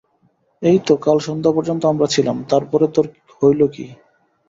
এই তো কাল সন্ধ্যা পর্যন্ত আমরা ছিলাম, তার পরে তোর হইল কী?